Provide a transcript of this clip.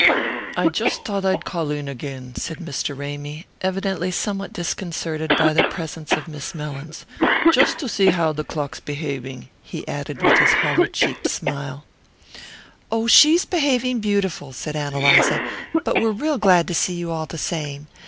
"I just thought I'd call in again," said Mr. Ramy, evidently somewhat disconcerted by the presence of Miss Mellins. "Just to see how the clock's behaving," he added with his hollow cheeked smile. "Oh, she's behaving beautiful," said Ann Eliza; "but we're real glad to see you all the same.